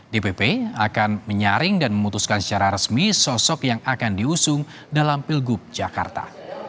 dpp akan menyaring dan memutuskan secara resmi sosok yang akan diusung dalam pilgub jakarta